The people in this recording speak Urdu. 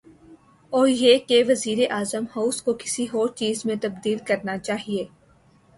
اوریہ کہ وزیراعظم ہاؤس کو کسی اورچیز میں تبدیل کرنا چاہیے۔